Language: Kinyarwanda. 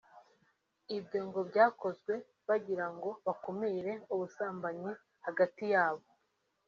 Ibyo ngo byakozwe bagira ngo bakumire ubusambanyi hagati yabo